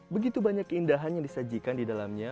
begitu banyak keindahan yang disajikan di dalamnya